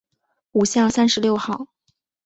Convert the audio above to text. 五巷三十六号